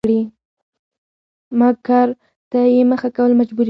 مکر ته يې مخه کول مجبوري ده؛